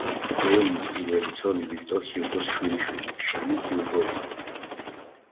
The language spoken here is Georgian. ლეონის პირველი ცოლი ვიქტორ ჰიუგოს შვილიშვილი, ჟანა ჰიუგო იყო.